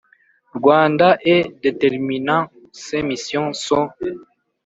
Rwanda et d terminant ses missions son